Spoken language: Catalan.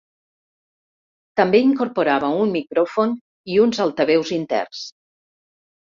També incorporava un micròfon i uns altaveus interns.